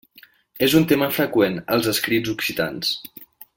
És un tema freqüent als escrits occitans.